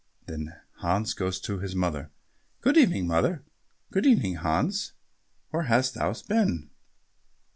Then Hans goes to his mother. "Good evening, mother." "Good evening, Hans. Where hast thou been?"